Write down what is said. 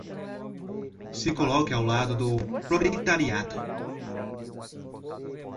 se coloque ao lado do proletariado